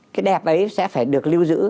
cái đẹp ấy sẽ phải được lưu giữ